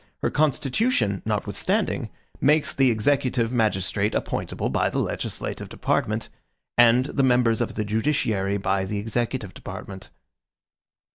Her constitution, notwithstanding, makes the executive magistrate appointable by the legislative department; and the members of the judiciary by the executive department.